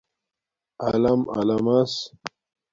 الَم اَلَمس